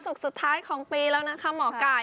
สุดท้ายของปีแล้วนะคะหมอไก่